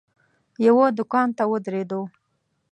یوه دوکان ته ودرېدو.